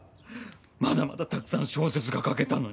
まだまだたくさん小説が書けたのに。